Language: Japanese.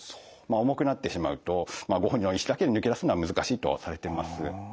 重くなってしまうとご本人の意志だけで抜け出すのは難しいとされています。